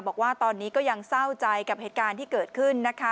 บอกว่าตอนนี้ก็ยังเศร้าใจกับเหตุการณ์ที่เกิดขึ้นนะคะ